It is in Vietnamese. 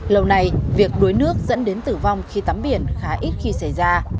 lâu nay việc đuối nước dẫn đến tử vong khi tắm biển khá ít khi xảy ra